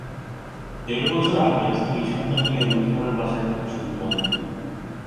দেড় বছর আগে স্ত্রী-সন্তান নিয়ে লুৎফোরের বাসায় থাকা শুরু করেন তিনি।